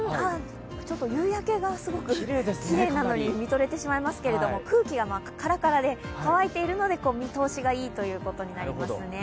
夕焼けがすごくきれいなのにみとれてしまいますけど、空気がからからで、乾いているので見通しがいいということになりますね。